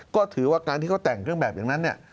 ก็ถือว่าการที่เขาแต่งเครื่องแบบอย่างนั้นเนี่ย